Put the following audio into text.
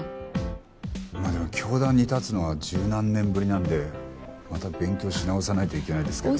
まあでも教壇に立つのは十何年ぶりなんでまた勉強し直さないといけないですけど。